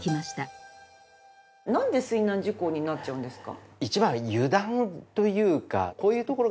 なんで水難事故になっちゃうんですか？